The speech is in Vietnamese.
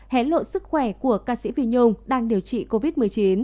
hén lộ sức khỏe của ca sĩ phi nhung đang điều trị covid một mươi chín